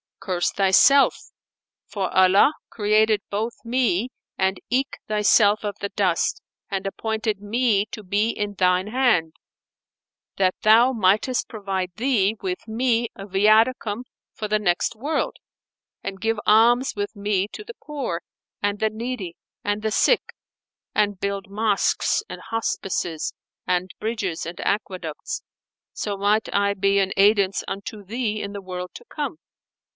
[FN#457] Curse thyself, for Allah created both me and eke thyself of the dust and appointed me to be in thine hand, that thou mightest provide thee with me a viaticum for the next world and give alms with me to the poor and the needy and the sick; and build mosques and hospices and bridges and aqueducts, so might I be an aidance unto thee in the world to come.